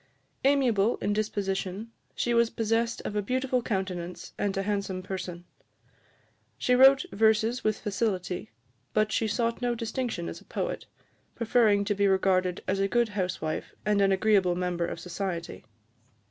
Amiable in disposition, she was possessed of a beautiful countenance and a handsome person. She wrote verses with facility, but she sought no distinction as a poet, preferring to be regarded as a good housewife and an agreeable member of society.